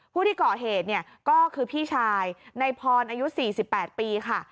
ผู้ที่เกาะเหตุเนี่ยก็คือพี่ชายในพรอายุสี่สิบแปดปีค่ะ